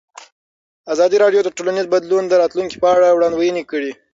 ازادي راډیو د ټولنیز بدلون د راتلونکې په اړه وړاندوینې کړې.